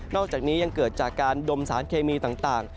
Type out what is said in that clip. อกจากนี้ยังเกิดจากการดมสารเคมีต่าง